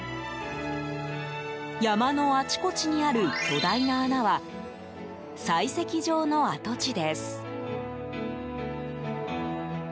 山のあちこちにある巨大な穴は採石場の跡地です。